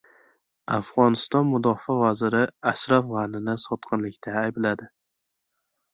Afg‘oniston mudofaa vaziri Ashraf G‘anini sotqinlikda aybladi